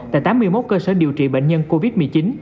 tại tám mươi một cơ sở điều trị bệnh nhân covid một mươi chín